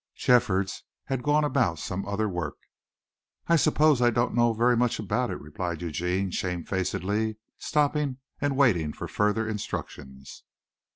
Jeffords had gone about some other work. "I suppose I don't know very much about it," replied Eugene shamefacedly stopping and waiting for further instructions.